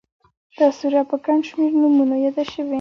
دا سوره په گڼ شمېر نومونو ياده شوې